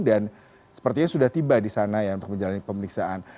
dan sepertinya sudah tiba di sana untuk menjalani pemeriksaan